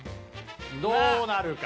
どうなるか。